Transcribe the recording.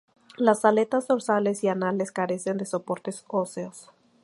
Las aletas dorsales y anales carecen de soportes óseos.